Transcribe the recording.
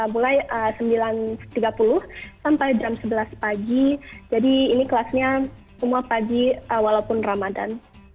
mulai sembilan tiga puluh sampai jam sebelas pagi jadi ini kelasnya semua pagi walaupun ramadan